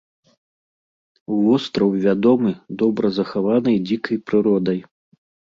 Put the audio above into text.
Востраў вядомы добра захаванай дзікай прыродай.